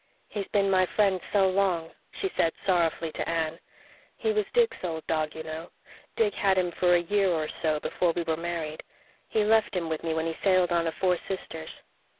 "He's been my friend so long," she said sorrowfully to Anne. "He was Dick's old dog, you know Dick had him for a year or so before we were married. He left him with me when he sailed on the Four Sisters.